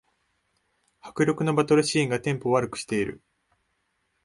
迫力のバトルシーンがテンポ悪くしてる